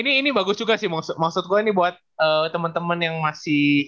nah ini bagus juga sih maksud gua ini buat temen temen yang masih